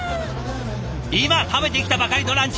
今食べてきたばかりのランチ